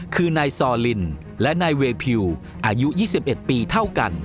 คือนายซอลินและนายเวพิวอายุ๒๑ปีเท่ากัน